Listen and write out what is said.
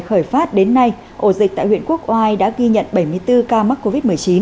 khởi phát đến nay ổ dịch tại huyện quốc oai đã ghi nhận bảy mươi bốn ca mắc covid một mươi chín